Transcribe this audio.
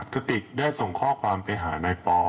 กระติกได้ส่งข้อความไปหานายปอ